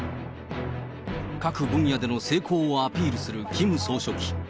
各分野での成功をアピールするキム総書記。